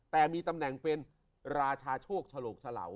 แต่มีตำแหน่งเป็นราชาโชคชะโหลกชะเหลา